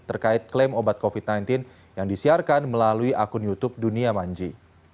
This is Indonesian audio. terkait klaim obat covid sembilan belas yang disiarkan melalui akun youtube dunia manji